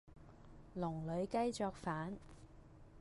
籠裏雞作反